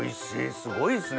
すごいですね。